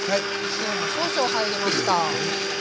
塩が少々入りました。